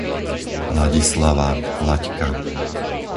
Ladislava, Laďka